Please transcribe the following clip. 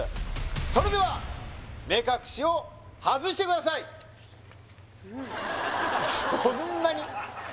それでは目隠しを外してくださいそんなに？